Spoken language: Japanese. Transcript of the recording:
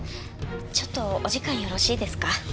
ちょっとお時間よろしいですか？